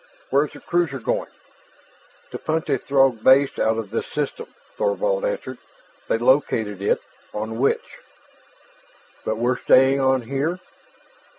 "Where is the cruiser going?" "To punch a Throg base out of this system," Thorvald answered. "They located it on Witch." "But we're staying on here?"